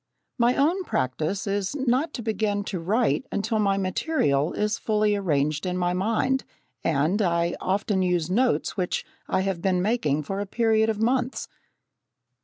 My own practice is not to begin to write until my material is fully arranged in my mind, and I often use notes which I have been making for a period of months.